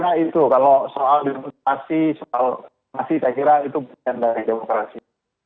saya kira itu berdasarkan dari demokrasi